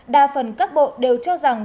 đa phần các bộ đều cho rằng